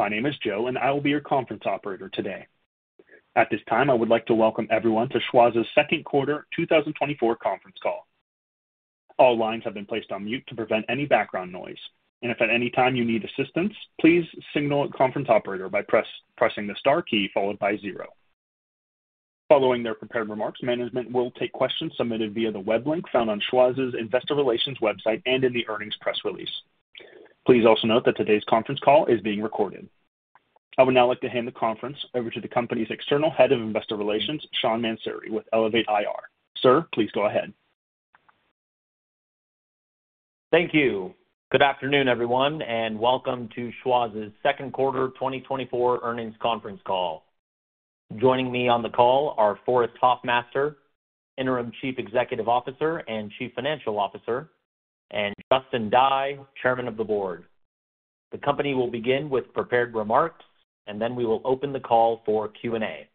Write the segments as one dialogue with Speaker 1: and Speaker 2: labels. Speaker 1: My name is Joe, and I will be your conference operator today. At this time, I would like to welcome everyone to Schwazze's second quarter 2024 conference call. All lines have been placed on mute to prevent any background noise, and if at any time you need assistance, please signal conference operator by pressing the star key followed by zero. Following their prepared remarks, management will take questions submitted via the web link found on Schwazze's Investor Relations website and in the earnings press release. Please also note that today's conference call is being recorded. I would now like to hand the conference over to the company's external head of Investor Relations, Sean Mansouri, with Elevate IR. Sir, please go ahead.
Speaker 2: Thank you. Good afternoon, everyone, and welcome to Schwazze's second quarter 2024 earnings conference call. Joining me on the call are Forrest Hoffmaster, Interim Chief Executive Officer and Chief Financial Officer, and Justin Dye, Chairman of the Board. The company will begin with prepared remarks, and then we will open the call for Q&A.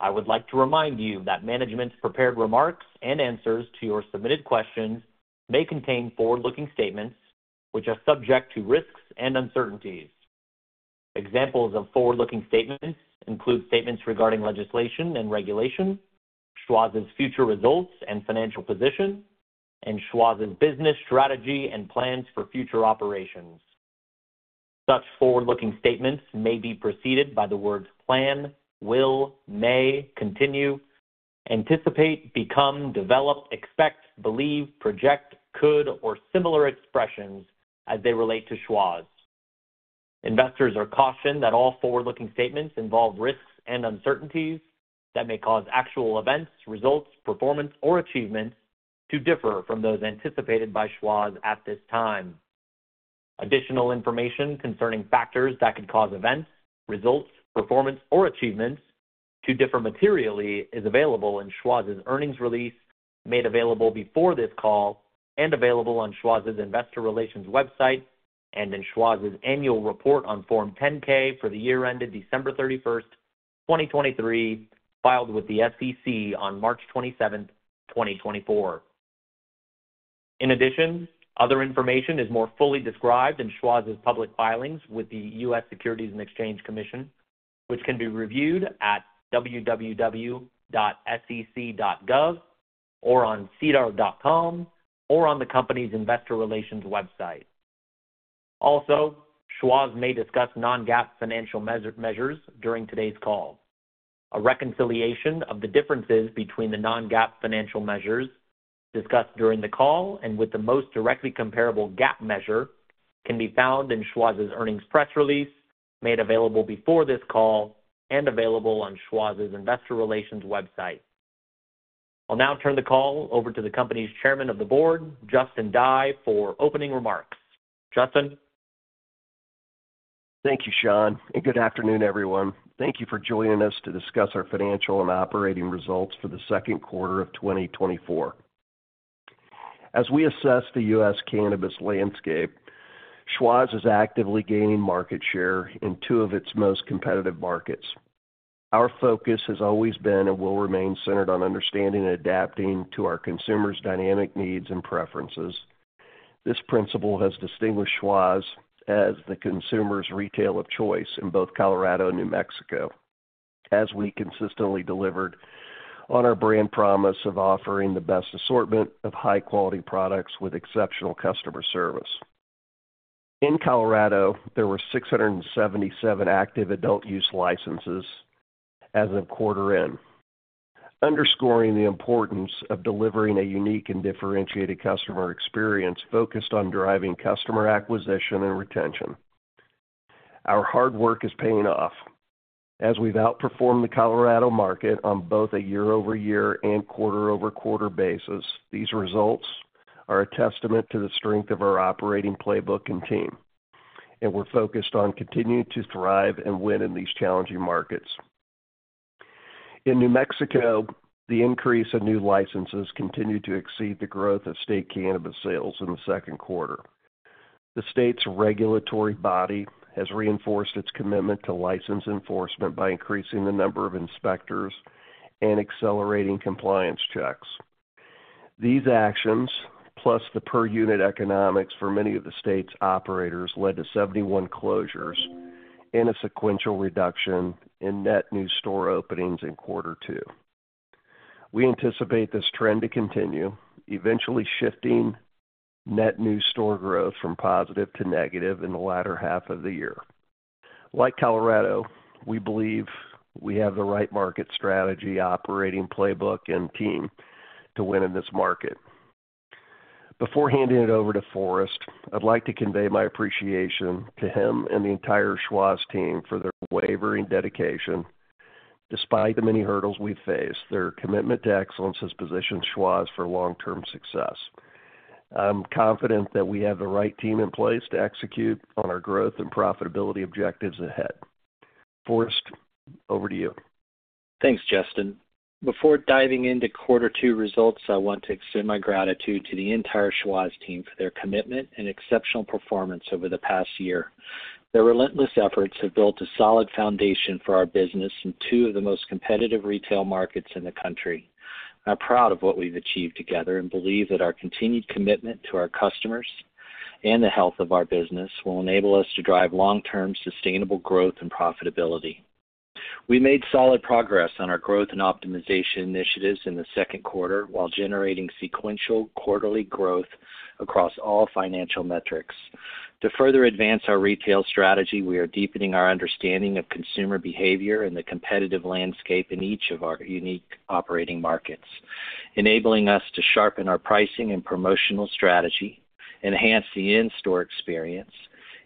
Speaker 2: I would like to remind you that management's prepared remarks and answers to your submitted questions may contain forward-looking statements which are subject to risks and uncertainties. Examples of forward-looking statements include statements regarding legislation and regulation, Schwazze's future results and financial position, and Schwazze's business strategy and plans for future operations. Such forward-looking statements may be preceded by the words plan, will, may, continue, anticipate, become, develop, expect, believe, project, could, or similar expressions as they relate to Schwazze. Investors are cautioned that all forward-looking statements involve risks and uncertainties that may cause actual events, results, performance, or achievements to differ from those anticipated by Schwazze at this time. Additional information concerning factors that could cause events, results, performance, or achievements to differ materially is available in Schwazze's earnings release, made available before this call, and available on Schwazze's Investor Relations website, and in Schwazze's annual report on Form 10-K for the year ended December 31, 2023, filed with the SEC on March 27, 2024. In addition, other information is more fully described in Schwazze's public filings with the US Securities and Exchange Commission, which can be reviewed at www.sec.gov, or on schwazze.com, or on the company's investor relations website. Also, Schwazze may discuss non-GAAP financial measure, measures during today's call. A reconciliation of the differences between the non-GAAP financial measures discussed during the call and with the most directly comparable GAAP measure can be found in Schwazze's earnings press release, made available before this call, and available on Schwazze's Investor Relations website. I'll now turn the call over to the company's chairman of the board, Justin Dye, for opening remarks. Justin?
Speaker 3: Thank you Sean, and good afternoon, everyone. Thank you for joining us to discuss our financial and operating results for the second quarter of 2024. As we assess the U.S. cannabis landscape, Schwazze is actively gaining market share in two of its most competitive markets. Our focus has always been and will remain centered on understanding and adapting to our consumers' dynamic needs and preferences. This principle has distinguished Schwazze as the consumer's retail of choice in both Colorado and New Mexico, as we consistently delivered on our brand promise of offering the best assortment of high-quality products with exceptional customer service. In Colorado, there were 677 active adult use licenses as of quarter end, underscoring the importance of delivering a unique and differentiated customer experience focused on driving customer acquisition and retention. Our hard work is paying off as we've outperformed the Colorado market on both a year-over-year and quarter-over-quarter basis. These results are a testament to the strength of our operating playbook and team, and we're focused on continuing to thrive and win in these challenging markets. In New Mexico, the increase in new licenses continued to exceed the growth of state cannabis sales in the second quarter. The state's regulatory body has reinforced its commitment to license enforcement by increasing the number of inspectors and accelerating compliance checks. These actions, plus the per-unit economics for many of the state's operators, led to 71 closures and a sequential reduction in net new store openings in quarter two. We anticipate this trend to continue, eventually shifting net new store growth from positive to negative in the latter half of the year. Like Colorado, we believe we have the right market strategy, operating playbook, and team to win in this market. Before handing it over to Forrest, I'd like to convey my appreciation to him and the entire Schwazze team for their unwavering dedication. Despite the many hurdles we've faced, their commitment to excellence has positioned Schwazze for long-term success. I'm confident that we have the right team in place to execute on our growth and profitability objectives ahead. Forrest, over to you.
Speaker 4: Thanks, Justin. Before diving into quarter two results, I want to extend my gratitude to the entire Schwazze team for their commitment and exceptional performance over the past year. Their relentless efforts have built a solid foundation for our business in two of the most competitive retail markets in the country... I'm proud of what we've achieved together, and believe that our continued commitment to our customers and the health of our business will enable us to drive long-term sustainable growth and profitability. We made solid progress on our growth and optimization initiatives in the second quarter, while generating sequential quarterly growth across all financial metrics. To further advance our retail strategy, we are deepening our understanding of consumer behavior and the competitive landscape in each of our unique operating markets, enabling us to sharpen our pricing and promotional strategy, enhance the in-store experience,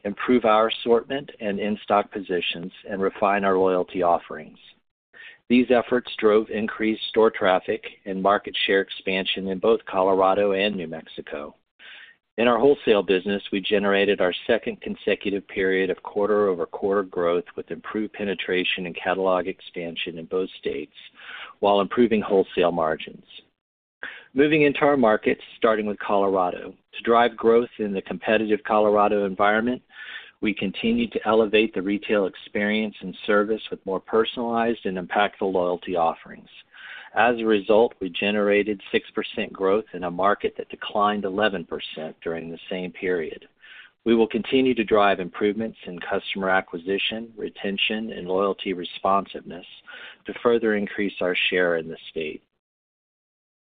Speaker 4: improve our assortment and in-stock positions, and refine our loyalty offerings. These efforts drove increased store traffic and market share expansion in both Colorado and New Mexico. In our wholesale business, we generated our second consecutive period of quarter-over-quarter growth, with improved penetration and catalog expansion in both states, while improving wholesale margins. Moving into our markets, starting with Colorado. To drive growth in the competitive Colorado environment, we continued to elevate the retail experience and service with more personalized and impactful loyalty offerings. As a result, we generated 6% growth in a market that declined 11% during the same period. We will continue to drive improvements in customer acquisition, retention, and loyalty responsiveness to further increase our share in the state.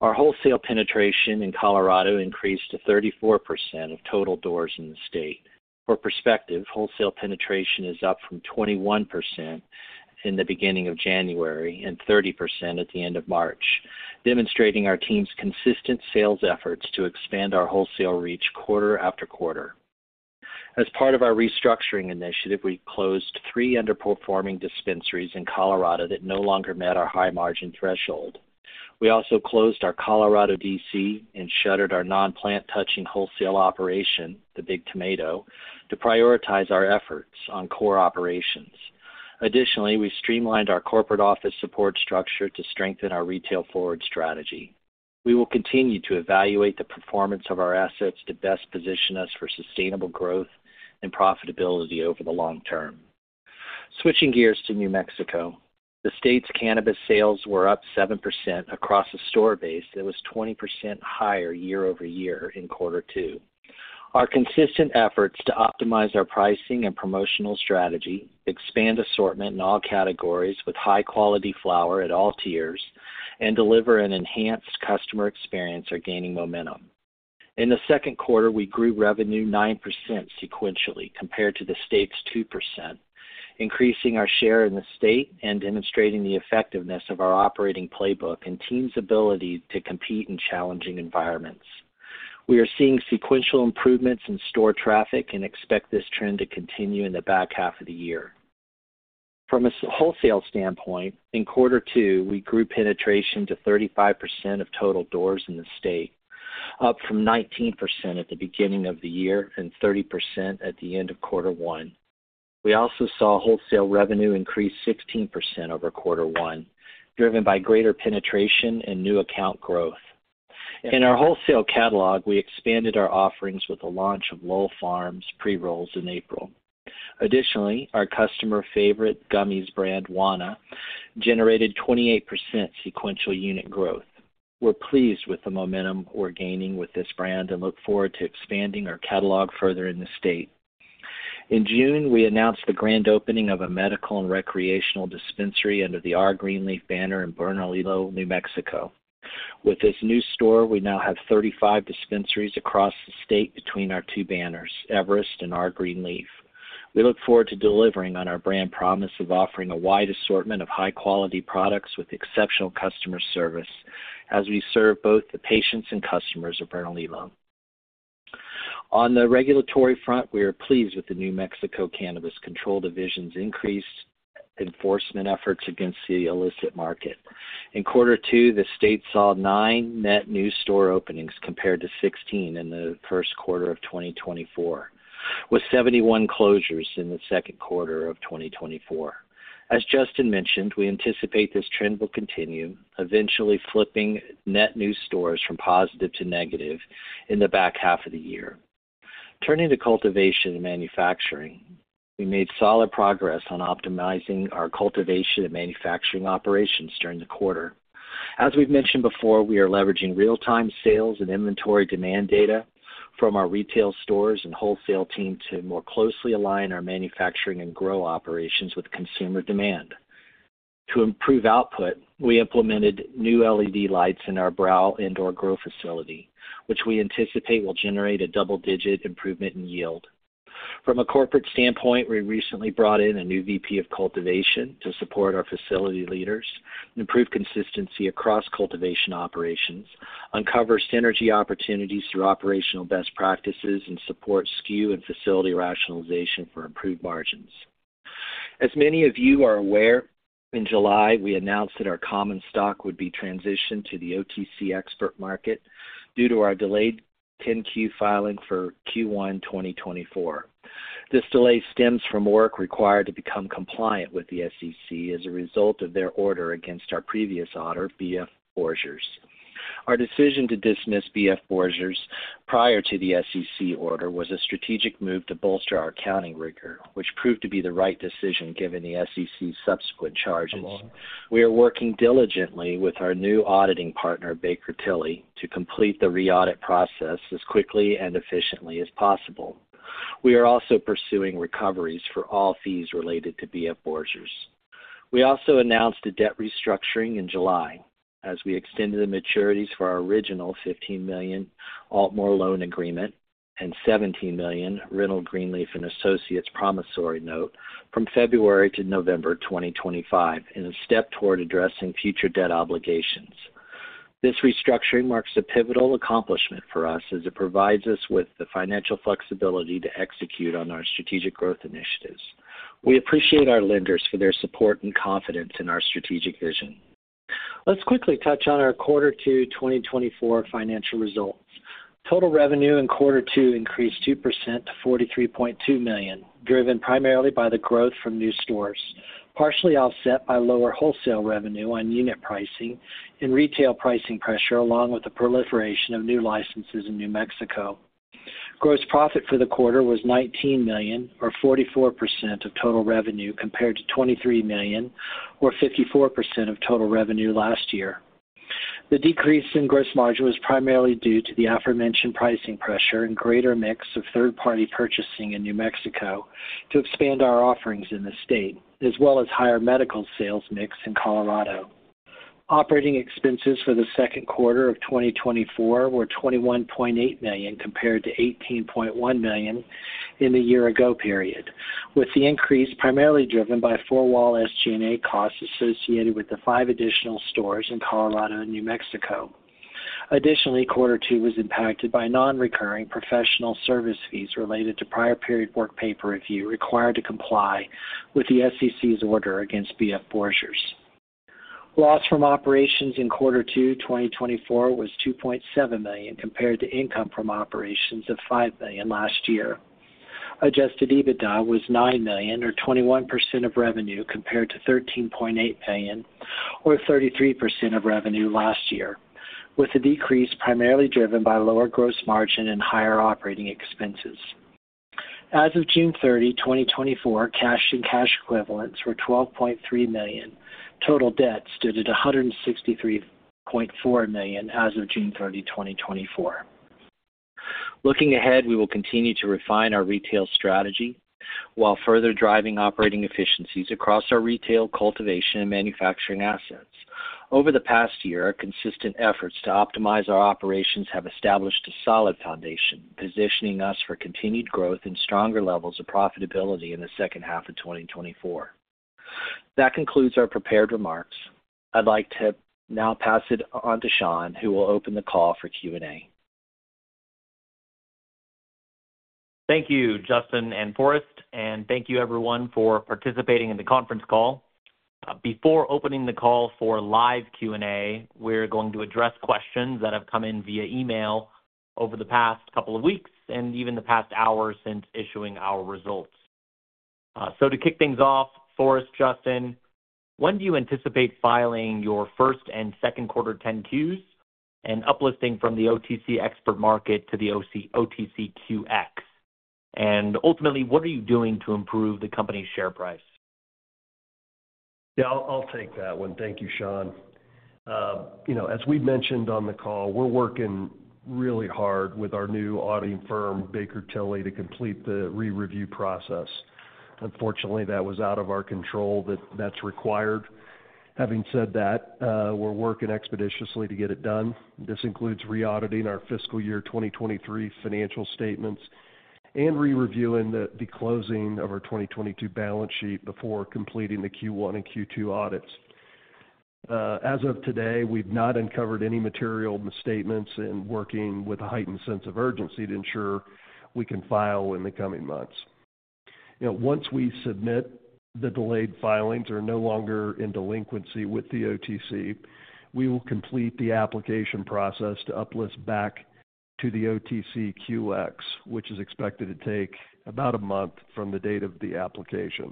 Speaker 4: Our wholesale penetration in Colorado increased to 34% of total doors in the state. For perspective, wholesale penetration is up from 21% in the beginning of January and 30% at the end of March, demonstrating our team's consistent sales efforts to expand our wholesale reach quarter after quarter. As part of our restructuring initiative, we closed three underperforming dispensaries in Colorado that no longer met our high-margin threshold. We also closed our Colorado DC and shuttered our non-plant touching wholesale operation, The Big Tomato, to prioritize our efforts on core operations. Additionally, we streamlined our corporate office support structure to strengthen our retail forward strategy. We will continue to evaluate the performance of our assets to best position us for sustainable growth and profitability over the long term. Switching gears to New Mexico. The state's cannabis sales were up 7% across a store base that was 20% higher year-over-year in quarter two. Our consistent efforts to optimize our pricing and promotional strategy, expand assortment in all categories with high-quality flower at all tiers, and deliver an enhanced customer experience are gaining momentum. In the second quarter, we grew revenue 9% sequentially compared to the state's 2%, increasing our share in the state and demonstrating the effectiveness of our operating playbook and team's ability to compete in challenging environments. We are seeing sequential improvements in store traffic and expect this trend to continue in the back half of the year. From a wholesale standpoint, in quarter two, we grew penetration to 35% of total doors in the state, up from 19% at the beginning of the year and 30% at the end of quarter one. We also saw wholesale revenue increase 16% over quarter one, driven by greater penetration and new account growth. In our wholesale catalog, we expanded our offerings with the launch of Lowell Farms pre-rolls in April. Additionally, our customer favorite gummies brand, Wana, generated 28% sequential unit growth. We're pleased with the momentum we're gaining with this brand and look forward to expanding our catalog further in the state. In June, we announced the grand opening of a medical and recreational dispensary under the R. Greenleaf banner in Bernalillo, New Mexico. With this new store, we now have 35 dispensaries across the state between our two banners, Everest and R. Greenleaf. We look forward to delivering on our brand promise of offering a wide assortment of high-quality products with exceptional customer service as we serve both the patients and customers of Bernalillo. On the regulatory front, we are pleased with the New Mexico Cannabis Control Division's increased enforcement efforts against the illicit market. In quarter two, the state saw 9 net new store openings, compared to 16 in the first quarter of 2024, with 71 closures in the second quarter of 2024. As Justin mentioned, we anticipate this trend will continue, eventually flipping net new stores from positive to negative in the back half of the year. Turning to cultivation and manufacturing. We made solid progress on optimizing our cultivation and manufacturing operations during the quarter. As we've mentioned before, we are leveraging real-time sales and inventory demand data from our retail stores and wholesale team to more closely align our manufacturing and grow operations with consumer demand. To improve output, we implemented new LED lights in our Brow indoor grow facility, which we anticipate will generate a double-digit improvement in yield. From a corporate standpoint, we recently brought in a new VP of cultivation to support our facility leaders, improve consistency across cultivation operations, uncover synergy opportunities through operational best practices, and support SKU and facility rationalization for improved margins. As many of you are aware, in July, we announced that our common stock would be transitioned to the OTC Expert Market due to our delayed 10-Q filing for Q1 2024. This delay stems from work required to become compliant with the SEC as a result of their order against our previous auditor, BF Borgers. Our decision to dismiss BF Borgers prior to the SEC order was a strategic move to bolster our accounting rigor, which proved to be the right decision given the SEC's subsequent charges. We are working diligently with our new auditing partner, Baker Tilly, to complete the re-audit process as quickly and efficiently as possible. We are also pursuing recoveries for all fees related to BF Borgers. We also announced a debt restructuring in July, as we extended the maturities for our original $15 million Altmore loan agreement and $17 million Reynold Greenleaf and Associates promissory note from February to November 2025, in a step toward addressing future debt obligations. This restructuring marks a pivotal accomplishment for us, as it provides us with the financial flexibility to execute on our strategic growth initiatives. We appreciate our lenders for their support and confidence in our strategic vision. Let's quickly touch on our quarter two 2024 financial results. Total revenue in quarter two increased 2% to $43.2 million, driven primarily by the growth from new stores, partially offset by lower wholesale revenue on unit pricing and retail pricing pressure, along with the proliferation of new licenses in New Mexico. Gross profit for the quarter was $19 million, or 44% of total revenue, compared to $23 million, or 54% of total revenue last year. The decrease in gross margin was primarily due to the aforementioned pricing pressure and greater mix of third-party purchasing in New Mexico to expand our offerings in the state, as well as higher medical sales mix in Colorado. Operating expenses for the second quarter of 2024 were $21.8 million, compared to $18.1 million in the year-ago period, with the increase primarily driven by four wall SG&A costs associated with the 5 additional stores in Colorado and New Mexico. Additionally, quarter two was impacted by non-recurring professional service fees related to prior period work paper review required to comply with the SEC's order against BF Borgers. Loss from operations in quarter two 2024 was $2.7 million, compared to income from operations of $5 million last year. Adjusted EBITDA was $9 million, or 21% of revenue, compared to $13.8 million, or 33% of revenue last year, with the decrease primarily driven by lower gross margin and higher operating expenses. As of June 30, 2024, cash and cash equivalents were $12.3 million. Total debt stood at $163.4 million as of June 30, 2024. Looking ahead, we will continue to refine our retail strategy while further driving operating efficiencies across our retail, cultivation, and manufacturing assets. Over the past year, our consistent efforts to optimize our operations have established a solid foundation, positioning us for continued growth and stronger levels of profitability in the second half of 2024. That concludes our prepared remarks. I'd like to now pass it on to Sean, who will open the call for Q&A.
Speaker 2: Thank you, Justin and Forrest, and thank you everyone for participating in the conference call. Before opening the call for live Q&A, we're going to address questions that have come in via email over the past couple of weeks and even the past hour since issuing our results. So to kick things off, Forrest, Justin, when do you anticipate filing your first and second quarter 10-Qs and uplisting from the OTC Pink market to the OTCQX? And ultimately, what are you doing to improve the company's share price?
Speaker 3: Yeah, I'll take that one. Thank you, Sean. You know, as we mentioned on the call, we're working really hard with our new auditing firm, Baker Tilly, to complete the re-review process. Unfortunately, that was out of our control, that's required. Having said that, we're working expeditiously to get it done. This includes re-auditing our fiscal year 2023 financial statements and re-reviewing the closing of our 2022 balance sheet before completing the Q1 and Q2 audits. As of today, we've not uncovered any material misstatements and working with a heightened sense of urgency to ensure we can file in the coming months. You know, once we submit, the delayed filings are no longer in delinquency with the OTC, we will complete the application process to uplist back to the OTCQX, which is expected to take about a month from the date of the application.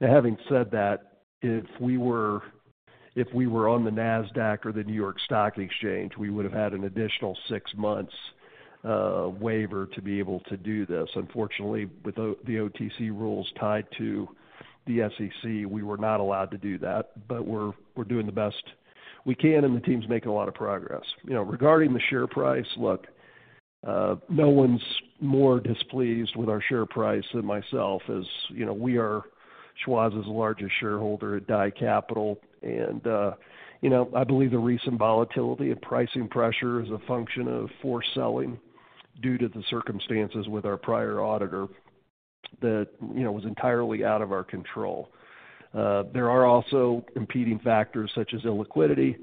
Speaker 3: Now, having said that, if we were on the NASDAQ or the New York Stock Exchange, we would have had an additional six months waiver to be able to do this. Unfortunately, with the OTC rules tied to the SEC, we were not allowed to do that, but we're doing the best we can, and the team's making a lot of progress. You know, regarding the share price, look, no one's more displeased with our share price than myself, as you know, we are Schwazze's largest shareholder at Dye Capital. You know, I believe the recent volatility and pricing pressure is a function of forced selling due to the circumstances with our prior auditor that, you know, was entirely out of our control. There are also competing factors, such as illiquidity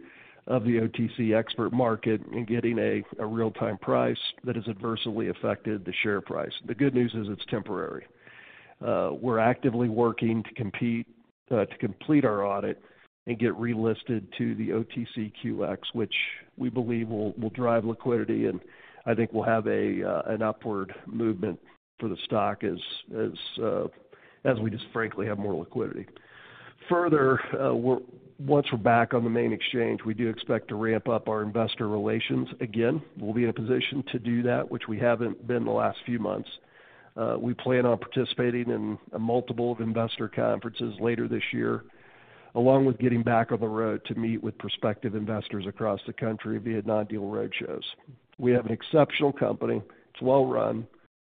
Speaker 3: of the OTC exempt market in getting a real-time price that has adversely affected the share price. The good news is it's temporary. We're actively working to complete our audit and get relisted to the OTCQX, which we believe will drive liquidity, and I think we'll have an upward movement for the stock as we just frankly have more liquidity. Further, once we're back on the main exchange, we do expect to ramp up our investor relations again. We'll be in a position to do that, which we haven't been the last few months. We plan on participating in a multiple of investor conferences later this year, along with getting back on the road to meet with prospective investors across the country via non-deal roadshows. We have an exceptional company. It's well run.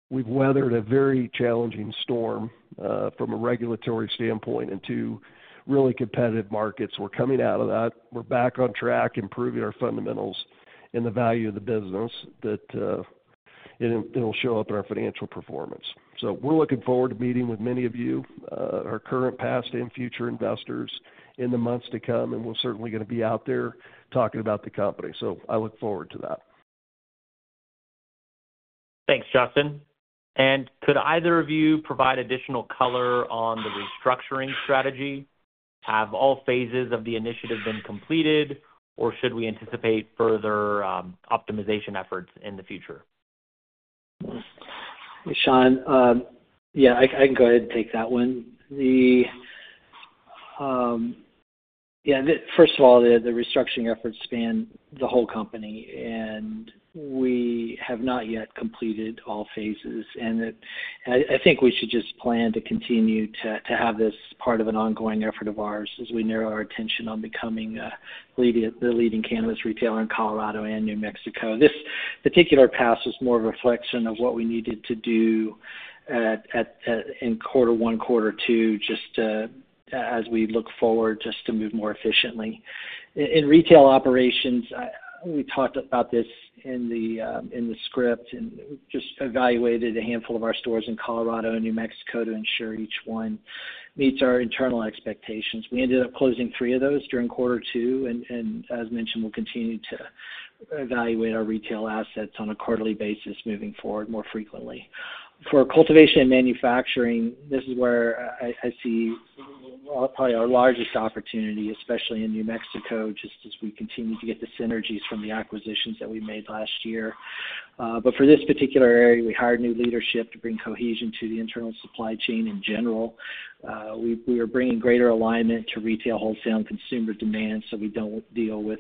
Speaker 3: We've weathered a very challenging storm from a regulatory standpoint and two really competitive markets. We're coming out of that. We're back on track, improving our fundamentals and the value of the business that it'll show up in our financial performance. So we're looking forward to meeting with many of you, our current, past, and future investors in the months to come, and we're certainly gonna be out there talking about the company. So I look forward to that.
Speaker 2: Thanks, Justin. Could either of you provide additional color on the restructuring strategy? Have all phases of the initiative been completed, or should we anticipate further optimization efforts in the future?
Speaker 4: Sean, yeah, I can go ahead and take that one. First of all, the restructuring efforts span the whole company, and we have not yet completed all phases. I think we should just plan to continue to have this part of an ongoing effort of ours as we narrow our attention on becoming the leading cannabis retailer in Colorado and New Mexico. This particular pass is more of a reflection of what we needed to do in quarter one, quarter two, just to, as we look forward, just to move more efficiently. In retail operations, we talked about this in the script, and just evaluated a handful of our stores in Colorado and New Mexico to ensure each one meets our internal expectations. We ended up closing three of those during quarter two, and as mentioned, we'll continue to evaluate our retail assets on a quarterly basis moving forward more frequently. For cultivation and manufacturing, this is where I see probably our largest opportunity, especially in New Mexico, just as we continue to get the synergies from the acquisitions that we made last year. But for this particular area, we hired new leadership to bring cohesion to the internal supply chain in general. We are bringing greater alignment to retail, wholesale, and consumer demand, so we don't deal with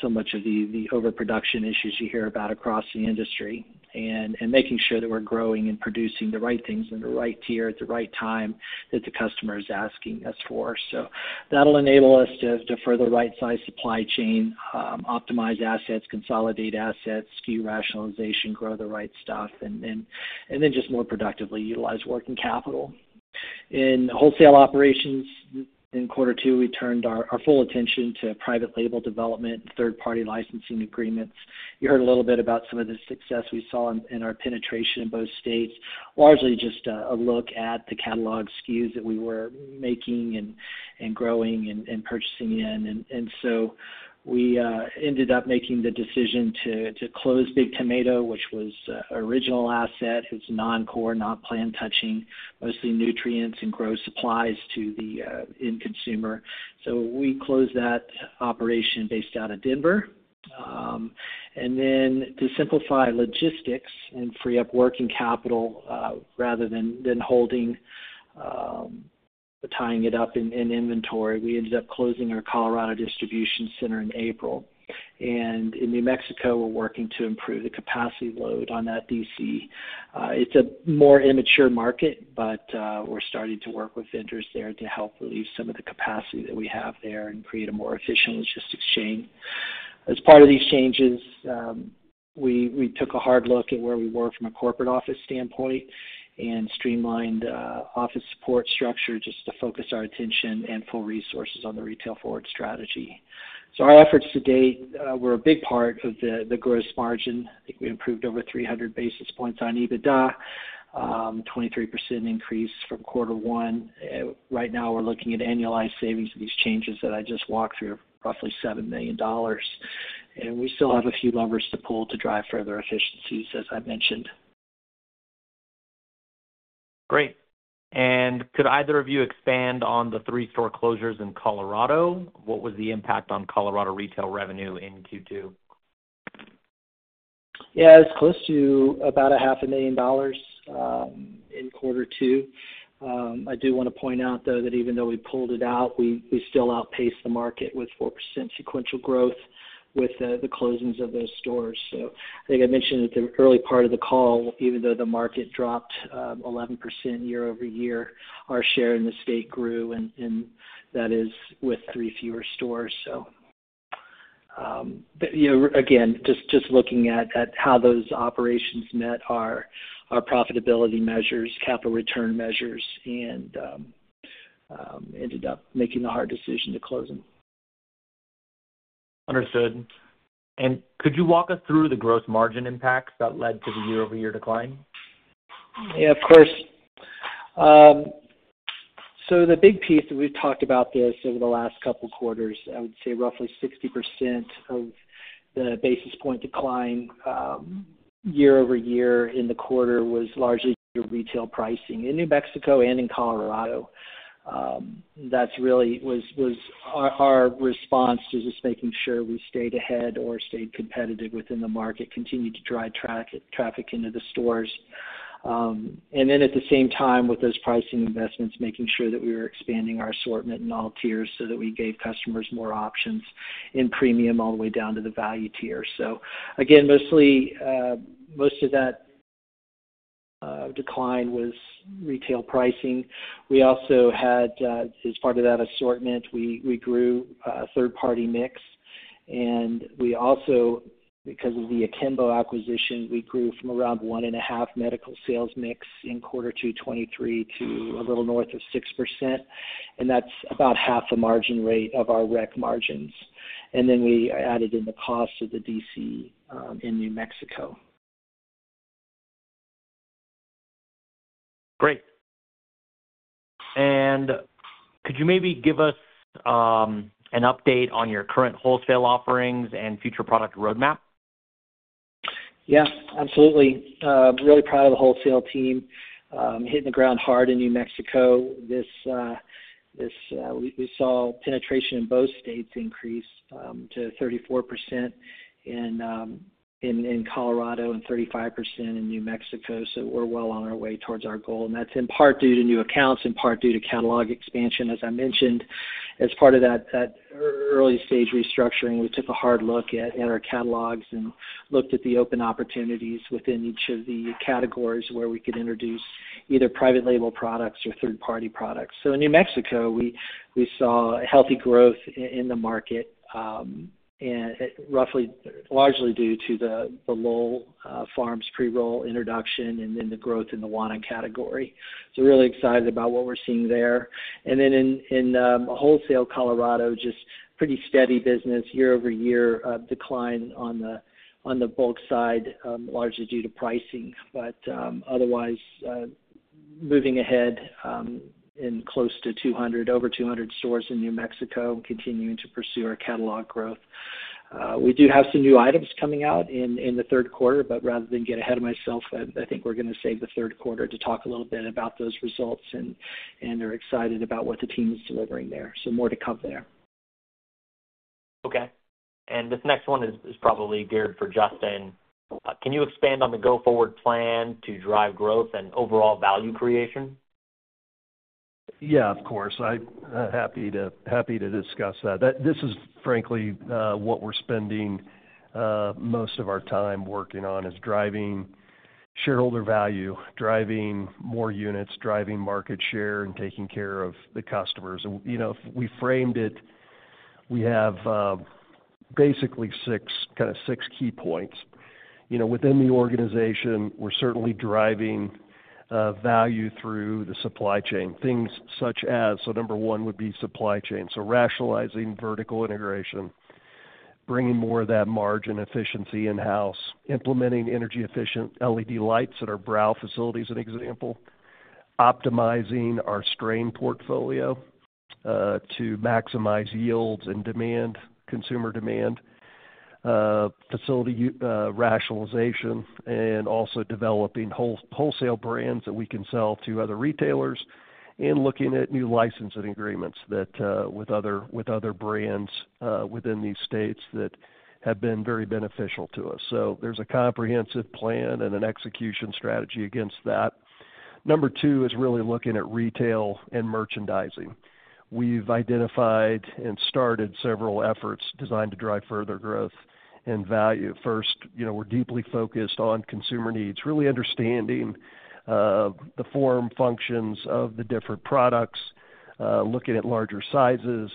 Speaker 4: so much of the overproduction issues you hear about across the industry. And making sure that we're growing and producing the right things in the right tier at the right time, that the customer is asking us for. So that'll enable us to further rightsize supply chain, optimize assets, consolidate assets, SKU rationalization, grow the right stuff, and then just more productively utilize working capital. In wholesale operations, in quarter two, we turned our full attention to private label development and third-party licensing agreements. You heard a little bit about some of the success we saw in our penetration in both states. Largely just a look at the catalog SKUs that we were making and growing and purchasing in. So we ended up making the decision to close Big Tomato, which was original asset. It's non-core, not plant-touching, mostly nutrients and grow supplies to the end consumer. So we closed that operation based out of Denver. To simplify logistics and free up working capital, rather than tying it up in inventory, we ended up closing our Colorado distribution center in April. In New Mexico, we're working to improve the capacity load on that DC. It's a more immature market, but we're starting to work with vendors there to help relieve some of the capacity that we have there and create a more efficient logistics chain. As part of these changes, we took a hard look at where we were from a corporate office standpoint and streamlined office support structure just to focus our attention and full resources on the retail forward strategy. Our efforts to date were a big part of the gross margin. I think we improved over 300 basis points on EBITDA, 23% increase from quarter one. Right now, we're looking at annualized savings of these changes that I just walked through, roughly $7 million. We still have a few levers to pull to drive further efficiencies, as I mentioned.
Speaker 2: Great. Could either of you expand on the 3 store closures in Colorado? What was the impact on Colorado retail revenue in Q2?
Speaker 4: Yeah, it's close to about $500,000 in quarter two. I do wanna point out, though, that even though we pulled it out, we still outpaced the market with 4% sequential growth with the closings of those stores. So I think I mentioned at the early part of the call, even though the market dropped 11% year-over-year, our share in the state grew, and that is with three fewer stores. So, but, you know, again, just looking at how those operations met our profitability measures, capital return measures, and ended up making the hard decision to close them.
Speaker 2: Understood. Could you walk us through the gross margin impacts that led to the year-over-year decline?
Speaker 4: Yeah, of course. So the big piece, and we've talked about this over the last couple quarters, I would say roughly 60% of the basis point decline, year-over-year in the quarter was largely due to retail pricing in New Mexico and in Colorado. That's really was our response to just making sure we stayed ahead or stayed competitive within the market, continued to drive traffic into the stores. And then at the same time, with those pricing investments, making sure that we were expanding our assortment in all tiers so that we gave customers more options in premium, all the way down to the value tier. So again, mostly, most of that decline was retail pricing. We also had, as part of that assortment, we grew third-party mix, and we also, because of the Akimbo acquisition, we grew from around 1.5 medical sales mix in Q2 2023 to a little north of 6%, and that's about half the margin rate of our rec margins. And then we added in the cost of the DC in New Mexico.
Speaker 2: Great. And could you maybe give us an update on your current wholesale offerings and future product roadmap?
Speaker 4: Yeah, absolutely. Really proud of the wholesale team hitting the ground hard in New Mexico. We saw penetration in both states increase to 34% in Colorado and 35% in New Mexico, so we're well on our way towards our goal. And that's in part due to new accounts, in part due to catalog expansion. As I mentioned, as part of that early stage restructuring, we took a hard look at our catalogs and looked at the open opportunities within each of the categories where we could introduce either private label products or third-party products. So in New Mexico, we saw a healthy growth in the market, and roughly, largely due to the Lowell Farms pre-roll introduction and then the growth in the vaping category. Really excited about what we're seeing there. Then in wholesale Colorado, just pretty steady business, year-over-year decline on the bulk side, largely due to pricing. But otherwise, moving ahead in close to 200, over 200 stores in New Mexico, continuing to pursue our catalog growth. We do have some new items coming out in the third quarter, but rather than get ahead of myself, I think we're gonna save the third quarter to talk a little bit about those results and are excited about what the team is delivering there. So more to come there.
Speaker 2: Okay. This next one is probably geared for Justin. Can you expand on the go-forward plan to drive growth and overall value creation?
Speaker 3: Yeah, of course. I'm happy to discuss that. This is frankly what we're spending most of our time working on, is driving shareholder value, driving more units, driving market share, and taking care of the customers. You know, we framed it. We have basically six, kind of, six key points. You know, within the organization, we're certainly driving value through the supply chain, things such as, so number one would be supply chain. So rationalizing vertical integration, bringing more of that margin efficiency in-house, implementing energy-efficient LED lights at our grow facilities, an example, optimizing our strain portfolio, to maximize yields and demand, consumer demand, facility rationalization, and also developing wholesale brands that we can sell to other retailers, and looking at new licensing agreements that, with other, with other brands, within these states that have been very beneficial to us. So there's a comprehensive plan and an execution strategy against that. Number two is really looking at retail and merchandising. We've identified and started several efforts designed to drive further growth and value. First, you know, we're deeply focused on consumer needs, really understanding, the form, functions of the different products, looking at larger sizes,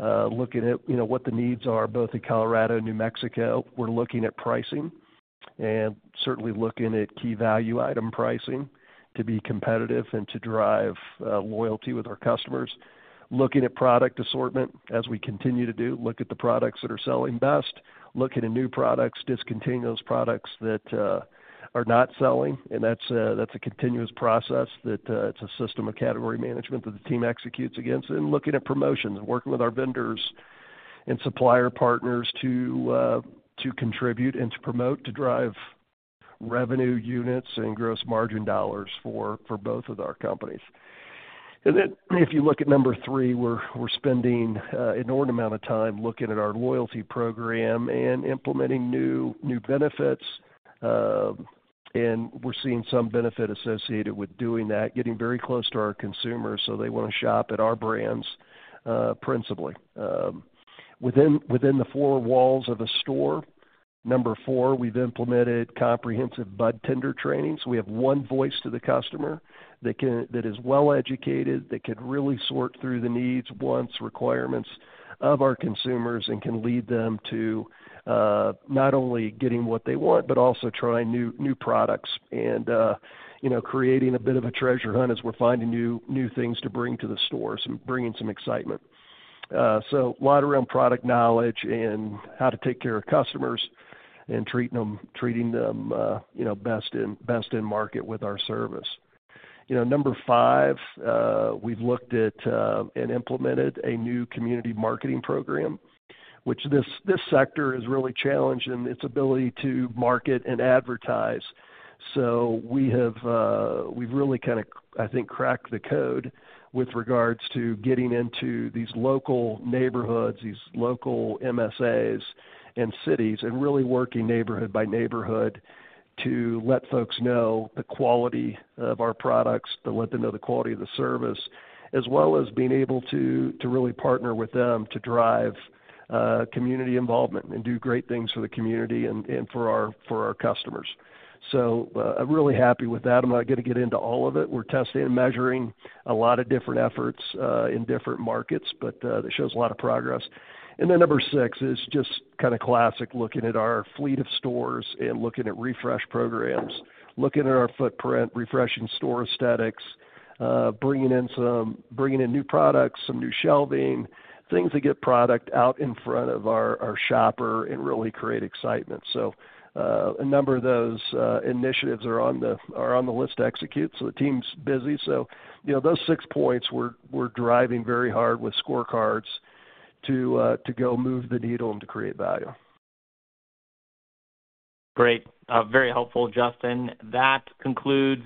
Speaker 3: looking at, you know, what the needs are, both in Colorado and New Mexico. We're looking at pricing and certainly looking at key value item pricing to be competitive and to drive loyalty with our customers. Looking at product assortment, as we continue to do, look at the products that are selling best, looking at new products, discontinue those products that are not selling, and that's a continuous process, that it's a system of category management that the team executes against. Looking at promotions, and working with our vendors and supplier partners to contribute and to promote, to drive revenue units and gross margin dollars for both of our companies. Then, if you look at number three, we're spending inordinate amount of time looking at our loyalty program and implementing new benefits. And we're seeing some benefit associated with doing that, getting very close to our consumers, so they wanna shop at our brands, principally. Within the four walls of a store, number four, we've implemented comprehensive budtender trainings. We have one voice to the customer that is well-educated, that can really sort through the needs, wants, requirements of our consumers, and can lead them to not only getting what they want, but also trying new, new products and, you know, creating a bit of a treasure hunt as we're finding new, new things to bring to the stores and bringing some excitement. So a lot around product knowledge and how to take care of customers and treating them, you know, best in market with our service. You know, number five, we've looked at and implemented a new community marketing program, which this, this sector has really challenged in its ability to market and advertise. So we have, we've really kind of, I think, cracked the code with regards to getting into these local neighborhoods, these local MSAs and cities, and really working neighborhood by neighborhood to let folks know the quality of our products, to let them know the quality of the service, as well as being able to, to really partner with them to drive community involvement and do great things for the community and, and for our, for our customers. So, I'm really happy with that. I'm not going to get into all of it. We're testing and measuring a lot of different efforts in different markets, but that shows a lot of progress. Then number six is just kind of classic, looking at our fleet of stores and looking at refresh programs, looking at our footprint, refreshing store aesthetics, bringing in new products, some new shelving, things that get product out in front of our shopper and really create excitement. So, a number of those initiatives are on the list to execute, so the team's busy. So you know, those six points, we're driving very hard with scorecards to go move the needle and to create value.
Speaker 2: Great. Very helpful, Justin. That concludes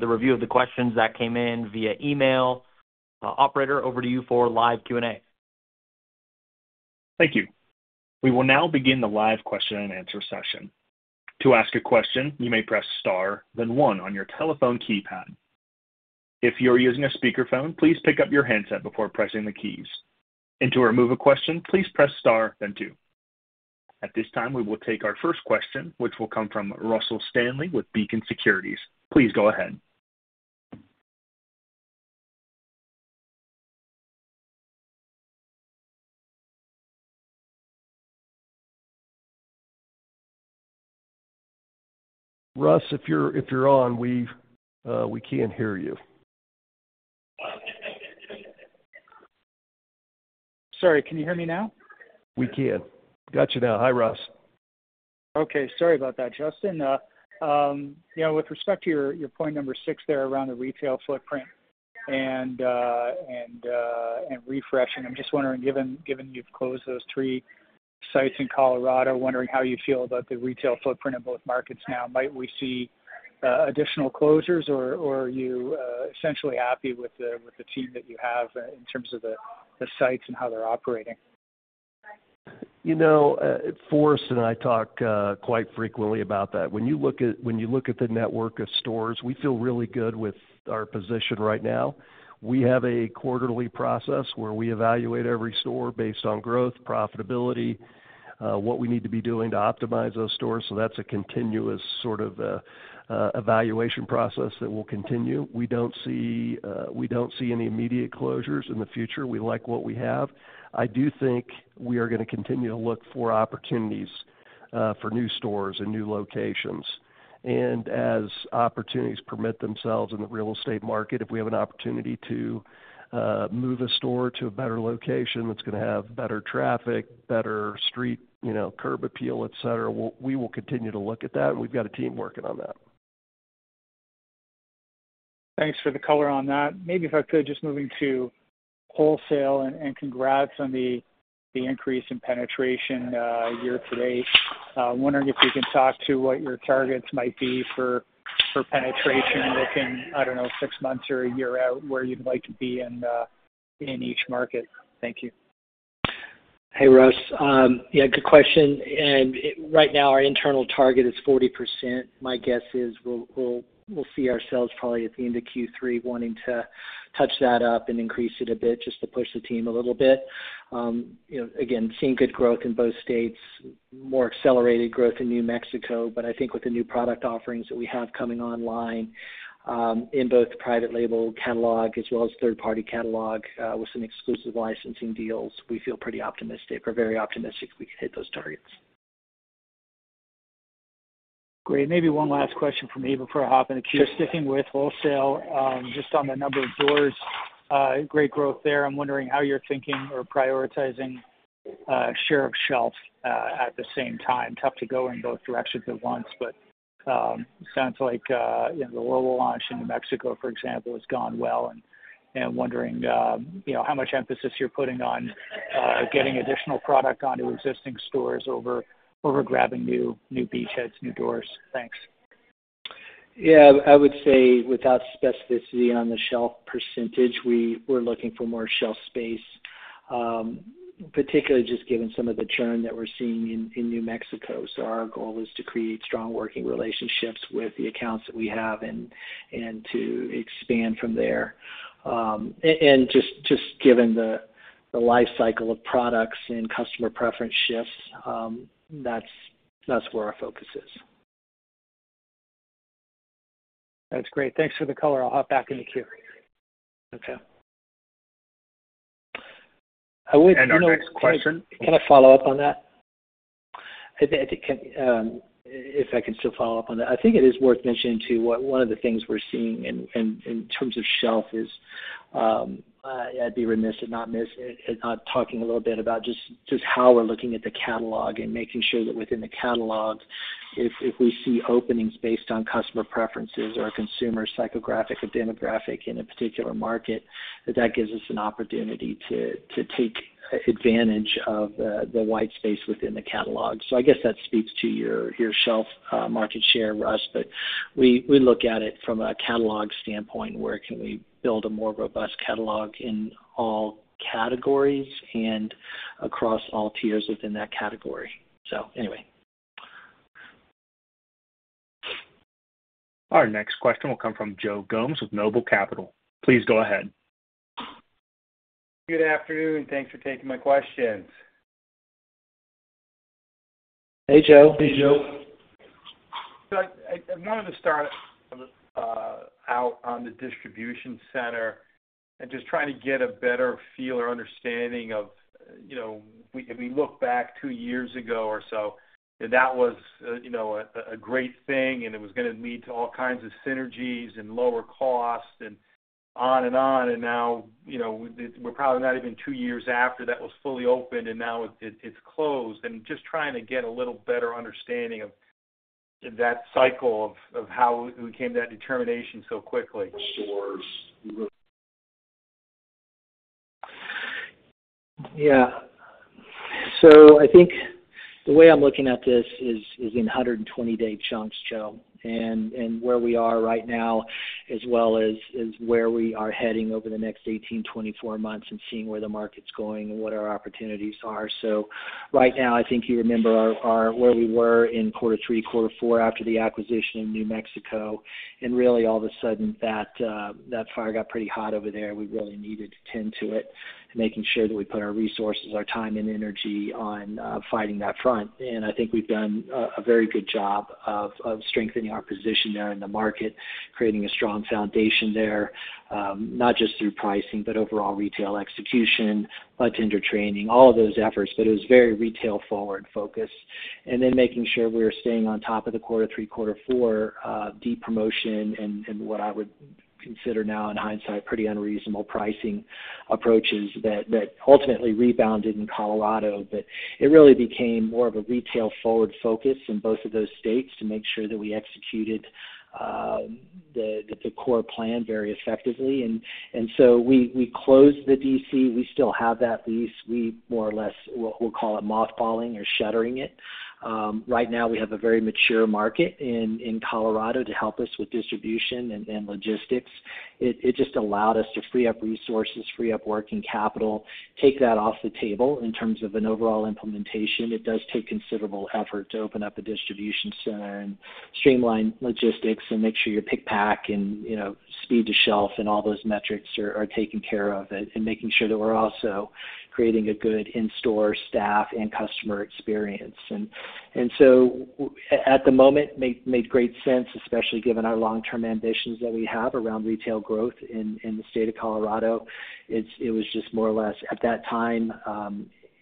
Speaker 2: the review of the questions that came in via email. Operator, over to you for live Q&A.
Speaker 1: Thank you. We will now begin the live question and answer session. To ask a question, you may press Star, then one on your telephone keypad. If you're using a speakerphone, please pick up your handset before pressing the keys. To remove a question, please press Star then two. At this time, we will take our first question, which will come from Russell Stanley with Beacon Securities. Please go ahead.
Speaker 3: Russ, if you're, if you're on, we, we can't hear you.
Speaker 5: Sorry, can you hear me now?
Speaker 3: We can. Got you now. Hi, Russ.
Speaker 5: Okay. Sorry about that, Justin. You know, with respect to your point number six there around the retail footprint and refreshing, I'm just wondering, given you've closed those three sites in Colorado, wondering how you feel about the retail footprint in both markets now. Might we see additional closures, or are you essentially happy with the team that you have in terms of the sites and how they're operating?
Speaker 3: You know, Forrest and I talk quite frequently about that. When you look at, when you look at the network of stores, we feel really good with our position right now. We have a quarterly process where we evaluate every store based on growth, profitability, what we need to be doing to optimize those stores. So that's a continuous sort of evaluation process that will continue. We don't see, we don't see any immediate closures in the future. We like what we have. I do think we are gonna continue to look for opportunities for new stores and new locations. As opportunities permit themselves in the real estate market, if we have an opportunity to move a store to a better location, that's gonna have better traffic, better street, you know, curb appeal, et cetera, we will continue to look at that, and we've got a team working on that.
Speaker 5: Thanks for the color on that. Maybe if I could, just moving to wholesale, and congrats on the increase in penetration year to date. Wondering if you can talk to what your targets might be for penetration looking, I don't know, six months or a year out, where you'd like to be in each market. Thank you.
Speaker 4: Hey, Russ. Yeah, good question. Right now, our internal target is 40%. My guess is we'll see ourselves probably at the end of Q3, wanting to touch that up and increase it a bit just to push the team a little bit. You know, again, seeing good growth in both states, more accelerated growth in New Mexico. I think with the new product offerings that we have coming online, in both private label catalog as well as third-party catalog, with some exclusive licensing deals, we feel pretty optimistic or very optimistic we can hit those targets.
Speaker 5: Great. Maybe one last question from me before I hop in the queue. Sticking with wholesale, just on the number of doors, great growth there. I'm wondering how you're thinking or prioritizing, share of shelf, at the same time. Tough to go in both directions at once, but, sounds like, you know, the global launch in New Mexico, for example, has gone well, and wondering, you know, how much emphasis you're putting on, getting additional product onto existing stores over grabbing new beachheads, new doors. Thanks.
Speaker 4: Yeah, I would say without specificity on the shelf percentage, we're looking for more shelf space, particularly just given some of the churn that we're seeing in New Mexico. So our goal is to create strong working relationships with the accounts that we have and to expand from there. And just given the life cycle of products and customer preference shifts, that's where our focus is.
Speaker 5: That's great. Thanks for the color. I'll hop back in the queue.
Speaker 4: Okay.
Speaker 1: Our next question-
Speaker 4: Can I follow up on that? I think if I can still follow up on that. I think it is worth mentioning, too, what one of the things we're seeing in terms of shelf is. I'd be remiss not to mention a little bit about just how we're looking at the catalog and making sure that within the catalog, if we see openings based on customer preferences or consumer psychographic or demographic in a particular market, that gives us an opportunity to take advantage of the wide space within the catalog. So I guess that speaks to your shelf market share, Russ, but we look at it from a catalog standpoint, where can we build a more robust catalog in all categories and across all tiers within that category? So anyway.
Speaker 1: Our next question will come from Joe Gomes with Noble Capital. Please go ahead.
Speaker 6: Good afternoon, thanks for taking my questions.
Speaker 4: Hey, Joe.
Speaker 3: Hey, Joe.
Speaker 6: So I wanted to start out on the distribution center and just trying to get a better feel or understanding of, you know, if we look back two years ago or so, that was, you know, a great thing, and it was gonna lead to all kinds of synergies and lower costs and on and on. And now, you know, we're probably not even two years after that was fully opened, and now it, it's closed. And just trying to get a little better understanding of that cycle of how we came to that determination so quickly.
Speaker 4: Yeah. So I think the way I'm looking at this is, is in 120-day chunks, Joe, and, and where we are right now, as well as, as where we are heading over the next 18-24 months and seeing where the market's going and what our opportunities are. So right now, I think you remember our, our where we were in quarter three, quarter four after the acquisition in New Mexico, and really, all of a sudden, that fire got pretty hot over there, and we really needed to tend to it, making sure that we put our resources, our time and energy on fighting that front. I think we've done a very good job of strengthening our position there in the market, creating a strong foundation there, not just through pricing, but overall retail execution, budtender training, all of those efforts, but it was very retail-forward focused. And then making sure we were staying on top of the quarter three, quarter four, deep promotion and what I would consider now in hindsight, pretty unreasonable pricing approaches that ultimately rebounded in Colorado. But it really became more of a retail-forward focus in both of those states to make sure that we executed the core plan very effectively. And so we closed the D.C. We still have that lease. We more or less will call it mothballing or shuttering it. Right now, we have a very mature market in Colorado to help us with distribution and logistics. It just allowed us to free up resources, free up working capital, take that off the table in terms of an overall implementation. It does take considerable effort to open up a distribution center and streamline logistics and make sure your pick-pack and, you know, speed to shelf and all those metrics are taken care of, and making sure that we're also creating a good in-store staff and customer experience. And so at the moment made great sense, especially given our long-term ambitions that we have around retail growth in the state of Colorado. It was just more or less at that time,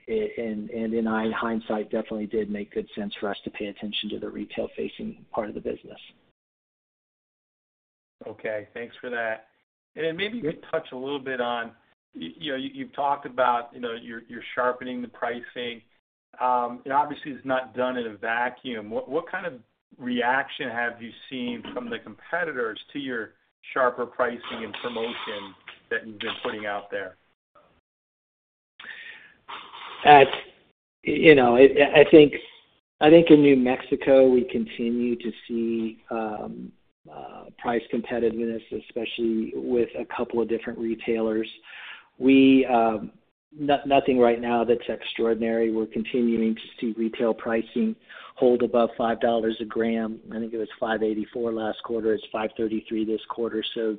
Speaker 4: it... And in hindsight, definitely did make good sense for us to pay attention to the retail-facing part of the business.
Speaker 6: Okay, thanks for that. Then maybe you could touch a little bit on, you know, you've talked about, you know, you're sharpening the pricing. It obviously is not done in a vacuum. What kind of reaction have you seen from the competitors to your sharper pricing and promotion that you've been putting out there?
Speaker 4: You know, I think in New Mexico, we continue to see price competitiveness, especially with a couple of different retailers. We nothing right now that's extraordinary. We're continuing to see retail pricing hold above $5 a gram. I think it was $5.84 last quarter. It's $5.33 this quarter. So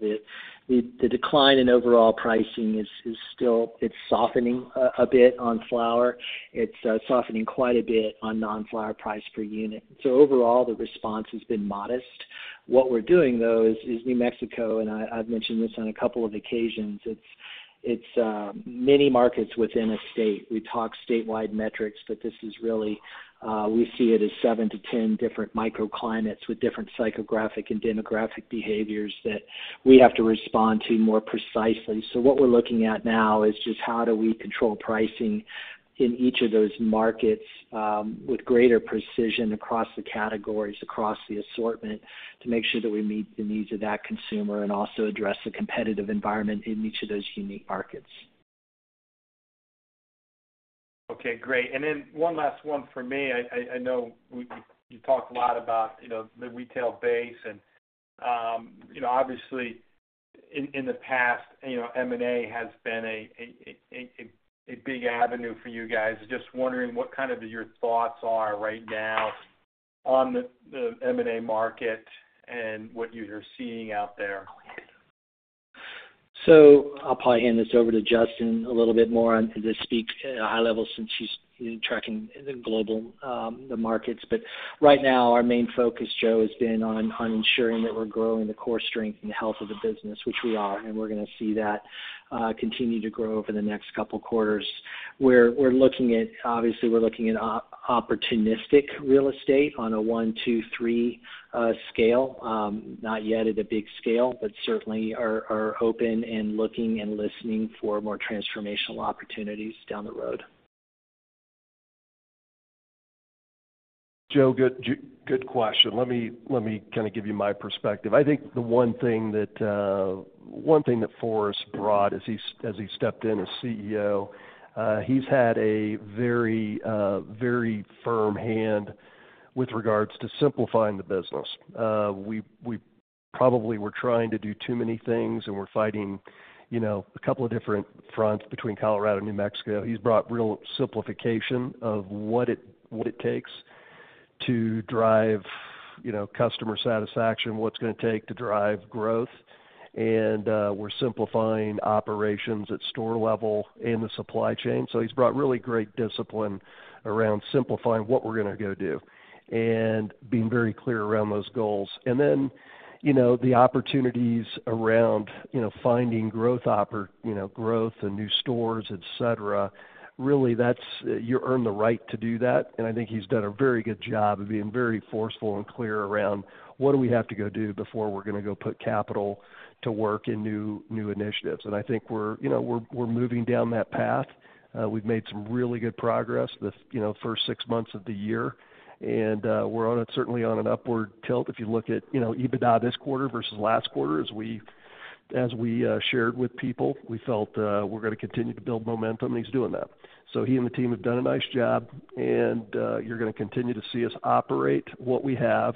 Speaker 4: the decline in overall pricing is still, it's softening a bit on flower. It's softening quite a bit on non-flower price per unit. So overall, the response has been modest. What we're doing, though, is New Mexico, and I've mentioned this on a couple of occasions, it's many markets within a state. We talk statewide metrics, but this is really, we see it as seven-10 different microclimates with different psychographic and demographic behaviors that we have to respond to more precisely. So what we're looking at now is just how do we control pricing in each of those markets, with greater precision across the categories, across the assortment, to make sure that we meet the needs of that consumer and also address the competitive environment in each of those unique markets.
Speaker 6: Okay, great. And then one last one for me. I know you talked a lot about, you know, the retail base and, you know, obviously, in the past, you know, M&A has been a big avenue for you guys. Just wondering what kind of your thoughts are right now on the M&A market and what you're seeing out there?
Speaker 4: So I'll probably hand this over to Justin a little bit more on to this speak high level since he's tracking the global the markets. But right now, our main focus, Joe, has been on ensuring that we're growing the core strength and health of the business, which we are, and we're gonna see that continue to grow over the next couple quarters. We're looking at, obviously, we're looking at opportunistic real estate on a one, two, three scale. Not yet at a big scale, but certainly are open and looking and listening for more transformational opportunities down the road.
Speaker 3: Joe, good question. Let me kind of give you my perspective. I think the one thing that Forrest brought as he stepped in as CEO. He's had a very firm hand with regards to simplifying the business. We probably were trying to do too many things, and we're fighting, you know, a couple of different fronts between Colorado and New Mexico. He's brought real simplification of what it takes to drive, you know, customer satisfaction, what it's gonna take to drive growth, and we're simplifying operations at store level and the supply chain. So he's brought really great discipline around simplifying what we're gonna go do and being very clear around those goals. And then, you know, the opportunities around, you know, finding growth, you know, growth and new stores, et cetera, really, that's, you earn the right to do that, and I think he's done a very good job of being very forceful and clear around what do we have to go do before we're gonna go put capital to work in new, new initiatives. And I think we're, you know, we're moving down that path. We've made some really good progress this, you know, first six months of the year, and, we're certainly on an upward tilt. If you look at, you know, EBITDA this quarter versus last quarter, as we shared with people, we felt, we're gonna continue to build momentum, and he's doing that. So he and the team have done a nice job, and you're gonna continue to see us operate what we have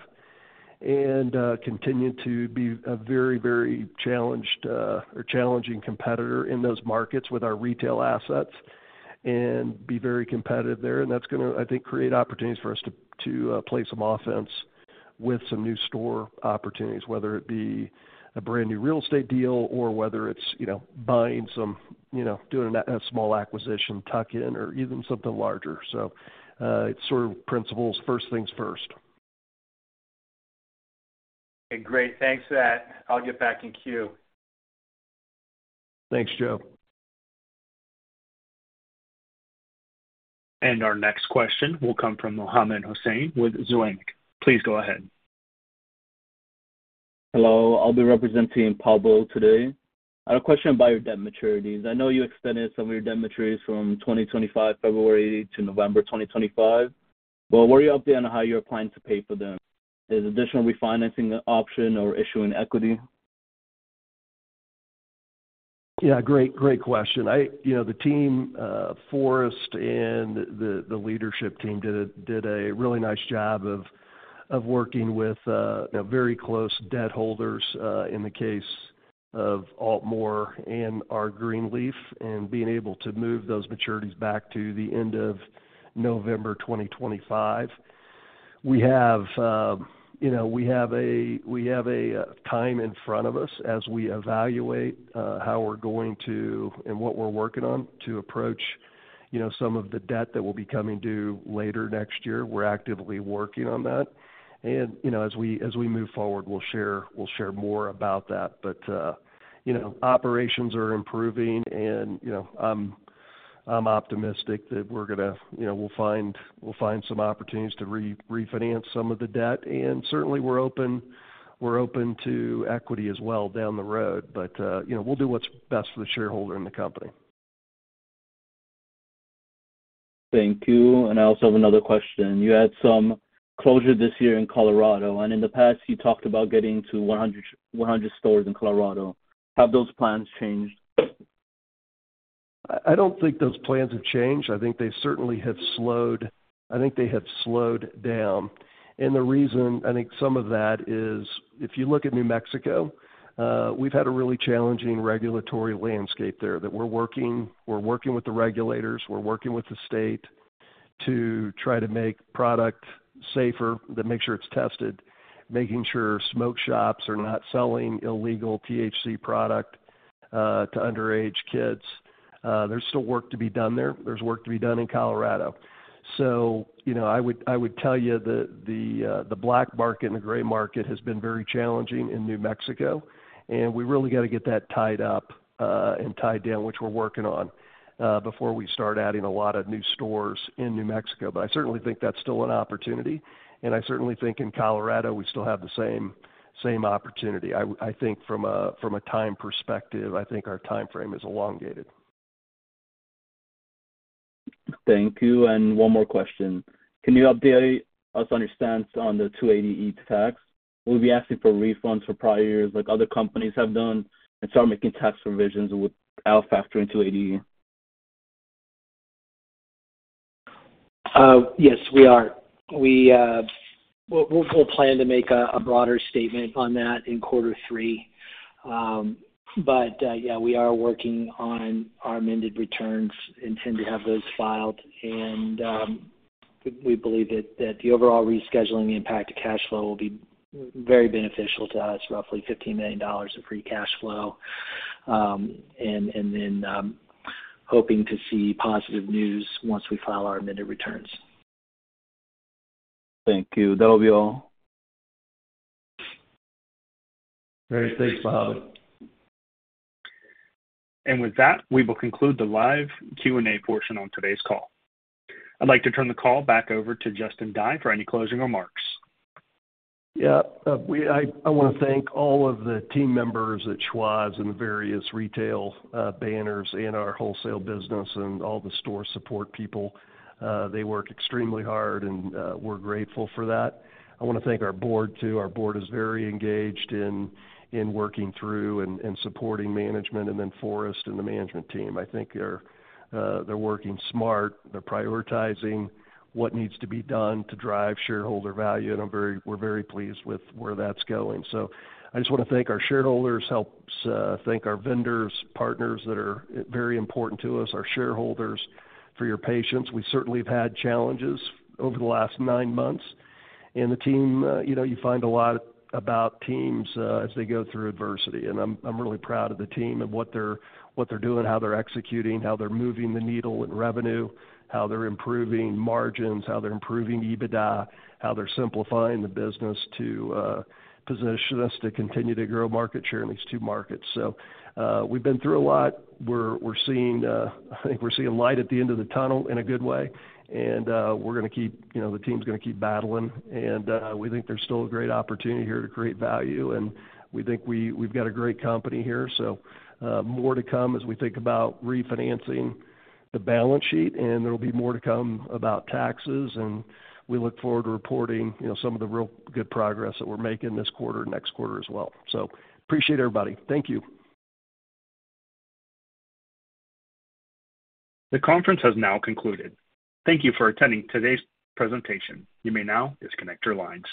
Speaker 3: and continue to be a very, very challenged or challenging competitor in those markets with our retail assets and be very competitive there. And that's gonna, I think, create opportunities for us to to play some offense with some new store opportunities, whether it be a brand-new real estate deal or whether it's, you know, buying some. You know, doing a a small acquisition tuck-in or even something larger. So it's sort of principles, first things first.
Speaker 6: Okay, great. Thanks for that. I'll get back in queue.
Speaker 3: Thanks, Joe.
Speaker 1: Our next question will come from Mohammed Hussain with Zuanic. Please go ahead.
Speaker 7: Hello, I'll be representing Pablo today. I had a question about your debt maturities. I know you extended some of your debt maturities from February 2025 to November 2025, but where are you updating on how you're planning to pay for them? Is additional refinancing an option or issuing equity?
Speaker 3: Yeah, great, great question. You know, the team, Forrest and the leadership team did a really nice job of working with very close debt holders, in the case of Altmore and R. Greenleaf, and being able to move those maturities back to the end of November 2025. You know, we have a time in front of us as we evaluate how we're going to and what we're working on to approach, you know, some of the debt that will be coming due later next year. We're actively working on that. And, you know, as we move forward, we'll share more about that. But, you know, operations are improving and, you know, I'm optimistic that we're gonna... You know, we'll find, we'll find some opportunities to re-refinance some of the debt. And certainly we're open, we're open to equity as well down the road, but, you know, we'll do what's best for the shareholder and the company.
Speaker 7: Thank you. I also have another question: You had some closure this year in Colorado, and in the past, you talked about getting to 100, 100 stores in Colorado. Have those plans changed?
Speaker 3: I don't think those plans have changed. I think they certainly have slowed. I think they have slowed down. And the reason, I think some of that is, if you look at New Mexico, we've had a really challenging regulatory landscape there, that we're working, we're working with the regulators, we're working with the state to try to make product safer, to make sure it's tested, making sure smoke shops are not selling illegal THC product, to underage kids. There's still work to be done there. There's work to be done in Colorado. So, you know, I would tell you that the black market and the gray market has been very challenging in New Mexico, and we really got to get that tied up and tied down, which we're working on, before we start adding a lot of new stores in New Mexico. But I certainly think that's still an opportunity, and I certainly think in Colorado, we still have the same opportunity. I think from a time perspective, I think our timeframe is elongated.
Speaker 7: Thank you. And one more question: Can you update us on your stance on the 280E tax? Will you be asking for refunds for prior years like other companies have done, and start making tax provisions without factoring 280E?
Speaker 4: Yes, we are. We'll plan to make a broader statement on that in quarter three. But yeah, we are working on our amended returns, intend to have those filed. And we believe that the overall rescheduling impact to cash flow will be very beneficial to us, roughly $15 million of free cash flow. And then, hoping to see positive news once we file our amended returns.
Speaker 7: Thank you. That will be all.
Speaker 3: Great. Thanks, Mohammed.
Speaker 1: With that, we will conclude the live Q&A portion on today's call. I'd like to turn the call back over to Justin Dye for any closing remarks.
Speaker 3: Yeah, I wanna thank all of the team members at Schwazze and the various retail banners in our wholesale business and all the store support people. They work extremely hard, and we're grateful for that. I wanna thank our board, too. Our board is very engaged in working through and supporting management, and then Forrest and the management team. I think they're working smart. They're prioritizing what needs to be done to drive shareholder value, and we're very pleased with where that's going. So I just wanna thank our shareholders, helps, thank our vendors, partners that are very important to us, our shareholders, for your patience. We certainly have had challenges over the last nine months. And the team, you know, you find a lot about teams, as they go through adversity, and I'm really proud of the team and what they're doing, how they're executing, how they're moving the needle in revenue, how they're improving margins, how they're improving EBITDA, how they're simplifying the business to position us to continue to grow market share in these two markets. So, we've been through a lot. We're seeing, I think we're seeing light at the end of the tunnel in a good way, and we're gonna keep... You know, the team's gonna keep battling, and we think there's still a great opportunity here to create value, and we think we, we've got a great company here. So, more to come as we think about refinancing the balance sheet, and there'll be more to come about taxes, and we look forward to reporting, you know, some of the real good progress that we're making this quarter and next quarter as well. So appreciate everybody. Thank you.
Speaker 1: The conference has now concluded. Thank you for attending today's presentation. You may now disconnect your lines.